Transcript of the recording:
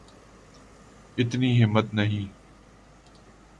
اتنی ہمت نہیں۔